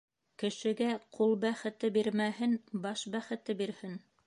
Кешегә ҡул бәхете бирмәһен, баш бәхете бирһен.